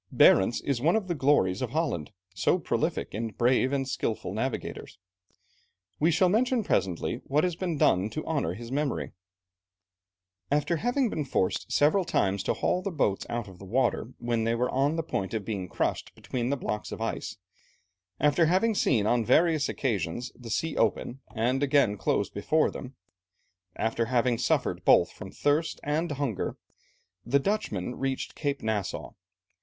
Barentz is one of the glories of Holland, so prolific in brave and skilful navigators. We shall mention presently what has been done to honour his memory. [Illustration: Map of Nova Zembla.] After having been forced several times to haul the boats out of the water when they were on the point of being crushed between the blocks of ice; after having seen on various occasions the sea open, and again close before them; after having suffered both from thirst and hunger, the Dutchmen reached Cape Nassau.